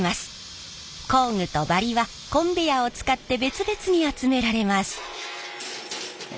工具とバリはコンベヤーを使って別々に集められます。